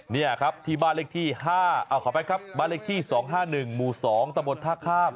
นี่ครับที่บ้านเลขที่๒๕๑หมู่๒ตะบดท่าข้าม